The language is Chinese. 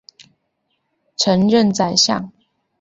曾任宰相。